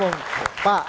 terima kasih pak